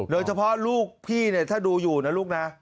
โดยเฉพาะลูกพี่ถ้าดูอยู่นะลูกนะ